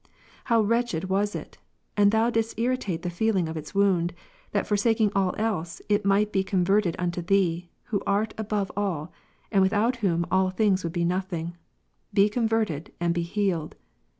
How wretched was it! and Thou didst irritate the feeling of its wound, that forsaking all else, it might be con verted unto Thee, who art above all, and without whom all things would be nothing; be converted, and be healed.